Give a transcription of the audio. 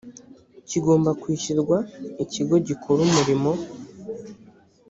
kigomba kwishyurwa ikigo gikora umurimo